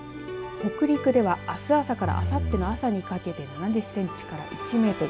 北陸ではあす朝からあさっての朝にかけて７０センチから１メートル